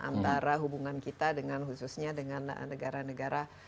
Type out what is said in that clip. antara hubungan kita dengan khususnya dengan negara negara